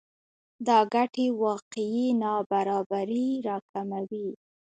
دا ګټې واقعي نابرابری راکموي